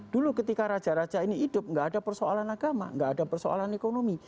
dulu ketika raja raja ini hidup nggak ada persoalan agama nggak ada persoalan ekonomi